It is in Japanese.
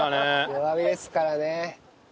弱火ですからね。